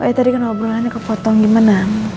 oh ya tadi kan ngobrolannya kepotong gimana